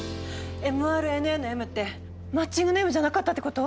ｍＲＮＡの「ｍ」ってマッチングの「ｍ」じゃなかったってこと？